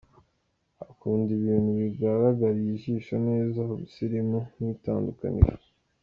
Akunda ibintu bigaragariye ijisho neza, ubusirimu n’itandukaniro.